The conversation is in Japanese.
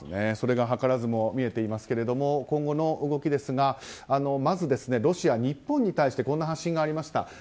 それが図らずも見えていますが今後の動きですがまずロシア、日本に対してこんな発信がありました。